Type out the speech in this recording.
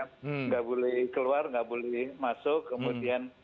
tidak boleh keluar nggak boleh masuk kemudian